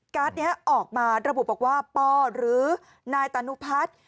นี้ออกมาระบุบอกว่าปอหรือนายตานุพัฒน์